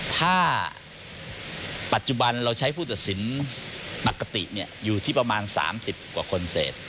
ถ้าปัจจุบันเราใช้ผู้ตัดสินปกติอยู่ที่ประมาณ๓๐กว่าคนเศษ